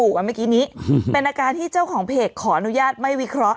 เมื่อกี้นี้เป็นอาการที่เจ้าของเพจขออนุญาตไม่วิเคราะห